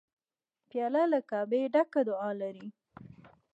پیاله له کعبې ډکه دعا لري.